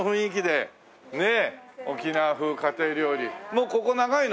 もうここ長いの？